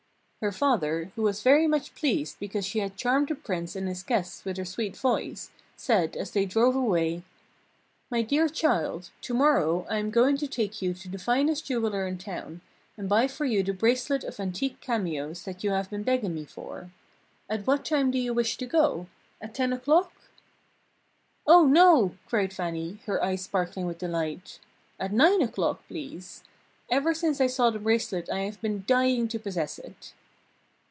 Her father, who was very much pleased because she had charmed the Prince and his guests with her sweet voice, said as they drove away: "My dear child, to morrow I am going to take you to the finest jeweller in town, and buy for you the bracelet of antique cameos that you have been begging me for. At what time do you wish to go? At ten o'clock?" "Oh, no!" cried Fannie, her eyes sparkling with delight, "at nine o'clock, please! Ever since I saw the bracelet I have been dying to possess it!"